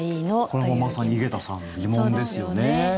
これもまさに井桁さんの疑問ですよね。